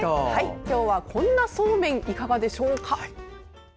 今日は、こんなそうめんいかがでしょうか？